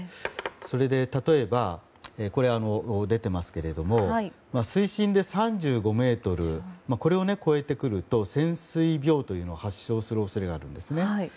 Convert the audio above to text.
それで、例えば水深で３５ｍこれを超えてくると潜水病というのを発症する恐れがあるんですね。